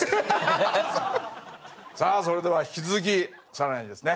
さあそれでは引き続き更にですね